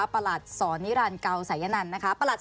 ประหลังสอนที่แรนกูล